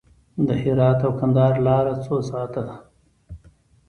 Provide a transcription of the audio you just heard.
د هرات او کندهار لاره څو ساعته ده؟